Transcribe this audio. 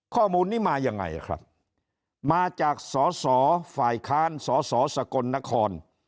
ข้อมูลนี้มายังไงครับมาจากสสฝ่ายค้านสสสกลนคร